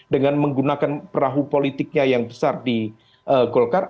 dengan menggunakan perahu politiknya yang besar di golkar